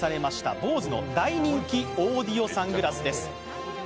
ＢＯＳＥの大人気オーディオサングラスです。